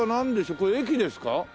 これ駅ですか？